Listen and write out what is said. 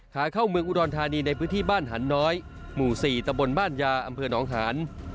ขาเข้าเมืองอุดรธานีในพื้นที่บ้านหันน้อยหมู่๔ตะบนบ้านยาอำเภอหนองหาน